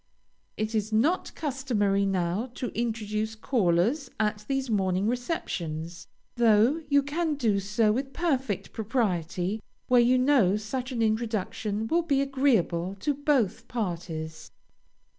It is not customary now to introduce callers at these morning receptions, though you can do so with perfect propriety where you know such an introduction will be agreeable to both parties.